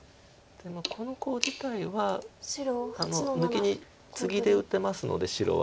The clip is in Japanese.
でもこのコウ自体は抜きにツギで打てますので白は。